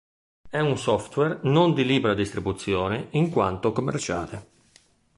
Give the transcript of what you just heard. È un software non di libera distribuzione in quanto commerciale.